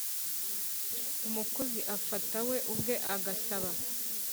umukozi afata we ubwe agasaba